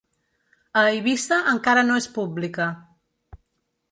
A Eivissa encara no és pública.